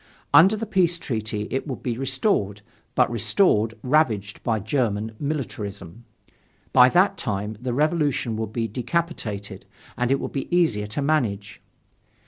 Under the peace treaty it would be restored, but restored ravaged by German militarism. By that time the revolution would be decapitated, and it would be easier to manage.